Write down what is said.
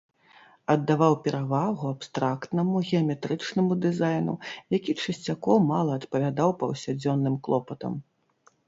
Аддаваў перавагу абстрактнаму, геаметрычнаму дызайну, які часцяком мала адпавядаў паўсядзённым клопатам.